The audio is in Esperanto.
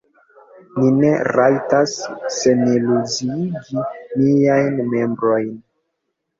Ni ne rajtas seniluziigi niajn membrojn!